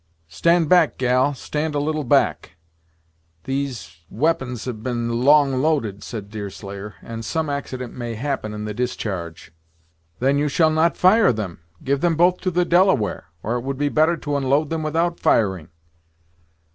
"Stand back, gal, stand a little back; these we'pons have been long loaded," said Deerslayer, "and some accident may happen in the discharge." "Then you shall not fire them! Give them both to the Delaware; or it would be better to unload them without firing."